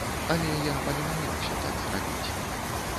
Але я паленаваўся так зрабіць.